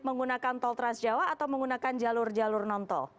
menggunakan tol transjawa atau menggunakan jalur jalur non tol